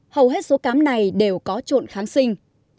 hầu hết số cám này đều có trộn kháng sinh